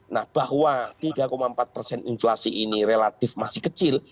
nah bahwa tiga empat persen inflasi ini relatif masih kecil